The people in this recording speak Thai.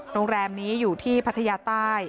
โรงแรมนี้อยู่ที่พัทยาใต้